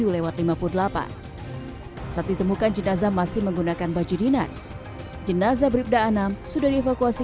lewat lima puluh delapan saat ditemukan jenazah masih menggunakan baju dinas jenazah bribda anam sudah dievakuasi